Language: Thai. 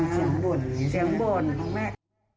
เสียงบ่นเสียงบ่นของแม่